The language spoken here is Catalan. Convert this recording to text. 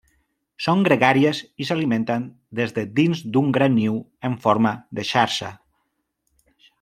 Són gregàries i s'alimenten des de dins d'un gran niu en forma de xarxa.